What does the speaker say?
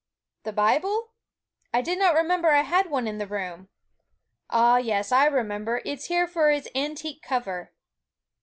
'The Bible? I did not remember I had one in the room; ah yes, I remember, it's here for its antique cover!